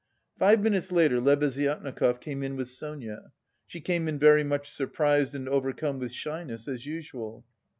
Five minutes later Lebeziatnikov came in with Sonia. She came in very much surprised and overcome with shyness as usual.